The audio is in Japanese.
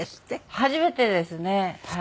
初めてですねはい。